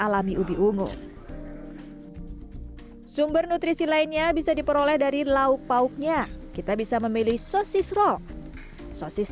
hai sumber nutrisi lainnya bisa diperoleh dari lauk pauk nya kita bisa memilih sosis roll sosis